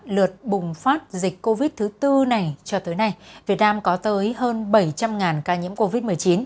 lượt bùng phát dịch covid một mươi chín thứ bốn cho tới nay việt nam có tới hơn bảy trăm linh ca nhiễm covid một mươi chín